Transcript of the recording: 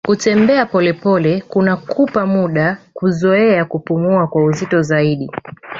kutembea polepole kunakupa muda kuzoea kupumua kwa uzito zaidi